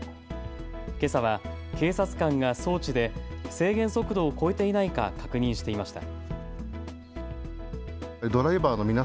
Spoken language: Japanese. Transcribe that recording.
けさは警察官が装置で制限速度を超えていないか確認していました。